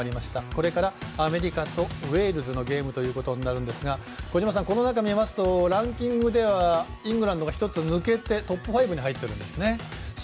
これから、アメリカとウェールズのゲームですが小島さん、ランキングではイングランドが１つ抜けて、トップファイブに入っているんですね。